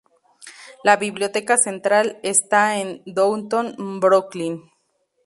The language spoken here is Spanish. La biblioteca central está en Downtown Brooklyn.